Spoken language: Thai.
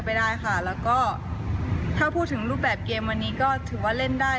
ไปได้ค่ะแล้วก็ถ้าพูดถึงรูปแบบเกมวันนี้ก็ถือว่าเล่นได้